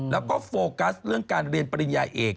แล้วก็โฟกัสเรื่องการเรียนปริญญาเอก